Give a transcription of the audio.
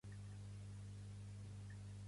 Pertany al moviment independentista el Martin?